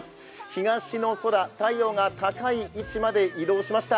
東の空、太陽が高い位置まで移動しました。